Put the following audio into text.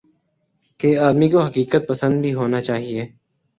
کہ آدمی کو حقیقت پسند بھی ہونا چاہیے۔